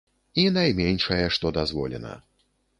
І найменшае, што дазволена.